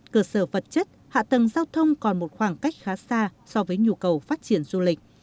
cơ sở vật chất hạ tầng giao thông còn một khoảng cách khá xa so với nhu cầu phát triển du lịch